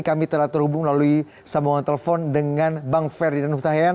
kami telah terhubung melalui sambungan telepon dengan bang ferdinand hutahian